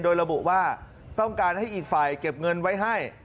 โดยระบุว่าต้องการให้อีกฝ่ายเก็บเงินไว้ให้